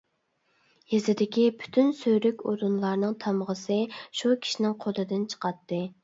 . يېزىدىكى پۈتۈن سۈرۈك ئورۇنلارنىڭ تامغىسى شۇ كىشىنىڭ قولىدىن چىقاتتى.